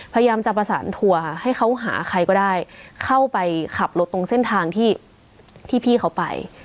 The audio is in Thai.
พยายามจะประสานทัวร์ให้เขาหาใครก็ได้เข้าไปขับรถตรงเส้นทางที่พี่เขาไป